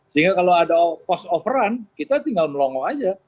sehingga kalau ada cost of run kita tinggal melongo aja